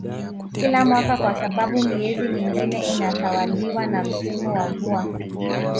kila mwaka kwa sababu miezi mingine inatawaliwa na msimu wa mvua